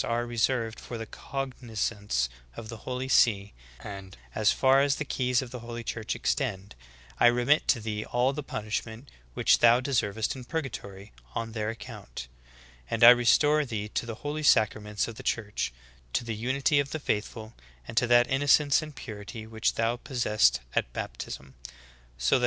re reserved for the cognizance of the holy see; and as far as the keys of the holy church extend, I remit to thee all tlie punishment which thou deservest in purgatory on their account; and I restore thee to the holy sacraments of the church, to the unity of the faithful, and to that innocence and purity which thou possessedst at baptism ; so that when ' :\Tilner.